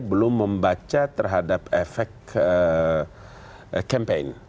belum membaca terhadap efek campaign